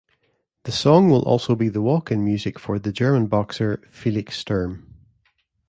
The song will also be the walk-in music for the German boxer, Felix Sturm.